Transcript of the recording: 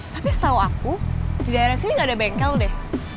tapi setahu aku di daerah sini gak ada bengkel deh